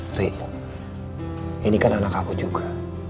tripo ini kan anak aku juga